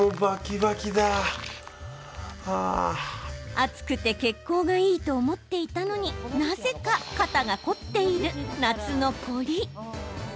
暑くて血行がいいと思っていたのになぜか肩が凝っている夏の凝り。